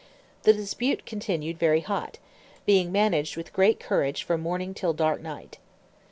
The dispute continued very hot, being managed with great courage from morning till dark night.